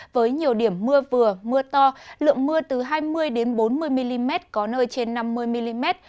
với nhiều điểm mưa vừa mưa to lượng mưa từ hai mươi bốn mươi mm có nơi trên năm mươi mm